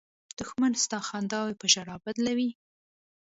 دښمن ستا خنداوې په ژړا بدلوي